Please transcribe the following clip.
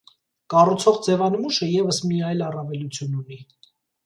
Կառուցող ձևանմուշը ևս մի այլ առավելություն ունի։